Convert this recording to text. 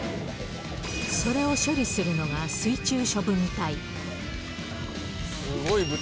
それを処理するのが水中処分隊。